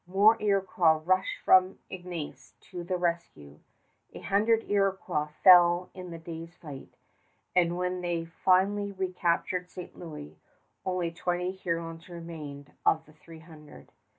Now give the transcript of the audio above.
More Iroquois rushed from Ignace to the rescue. A hundred Iroquois fell in the day's fight, and when they finally recaptured St. Louis, only twenty Hurons remained of the three hundred.